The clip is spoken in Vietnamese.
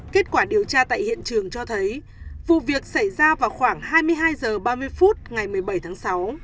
kết quả điều tra tại hiện trường cho thấy vụ việc xảy ra vào khoảng hai mươi hai h ba mươi phút ngày một mươi bảy tháng sáu